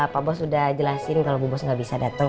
pak bos udah jelasin kalau bu bos gak bisa dateng